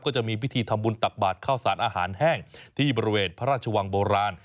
จะมีพิธีทำบุญตักบาทข้าวสารอาหารแห้งที่บริเวณพระราชวังโบราณ